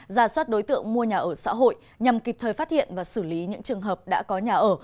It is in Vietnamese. ra soát đối tượng mua nhà ở xã hội nhằm kịp thời phát hiện và xử lý những trường hợp đã có nhà ở